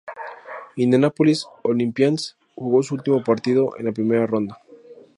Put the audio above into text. Indianapolis Olympians jugó su último partido, en la primera ronda.